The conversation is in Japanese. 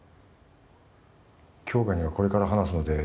杏花にはこれから話すので